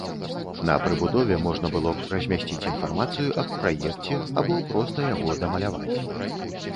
На прыбудове можна было б размясціць інфармацыю аб праекце або проста яго дамаляваць.